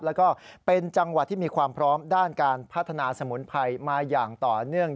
แล้วก็เป็นจังหวัดที่มีความพร้อมด้านการพัฒนาสมุนไพรมาอย่างต่อเนื่อง